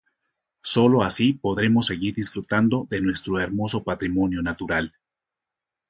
Sólo así podremos seguir disfrutando de nuestro hermoso patrimonio natural.